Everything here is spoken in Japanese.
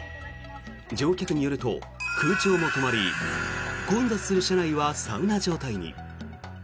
乗客によると、空調も止まり混雑する車内はサウナ状態に。